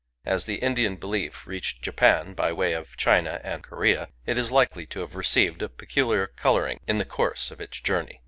As the Indian belief reached Japan by way of China and Korea, it is likely to have received a peculiar colouring in the course of its journey.